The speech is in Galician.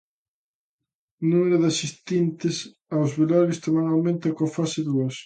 O número de asistentes aos velorios tamén aumenta coa fase dúas.